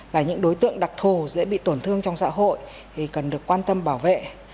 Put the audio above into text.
là những đối tượng đặc thù dễ bị tổn thương trong xã hội thì cần được quan tâm bảo vệ